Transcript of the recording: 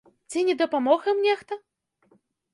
Ці не дапамог ім нехта?